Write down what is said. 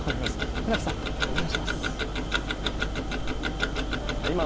船木さん、お願いしますます。